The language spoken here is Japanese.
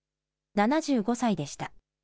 ７５歳でした。